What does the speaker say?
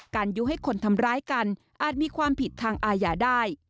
ยุให้คนทำร้ายกันอาจมีความผิดทางอาญาได้